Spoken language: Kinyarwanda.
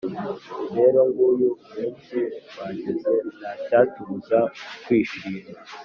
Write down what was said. rero nguyu umunsi wageze ntacyatubuza kwishima“